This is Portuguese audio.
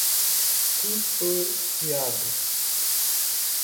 custodiado